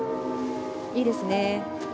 いいですね。